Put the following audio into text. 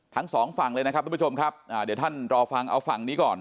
ทั้งสองฝั่งเลยนะครับทุกผู้ชมครับอ่าเดี๋ยวท่านรอฟังเอาฝั่งนี้ก่อน